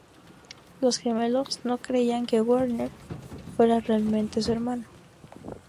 Los gemelos no creían que Werner fuera realmente su hermano.